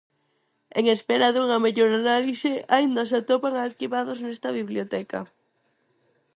En espera dunha mellor análise aínda se atopan arquivados nesta biblioteca.